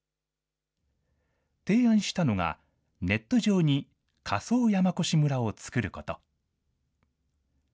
提案したのが、ネット上に仮想山古志村を作ること。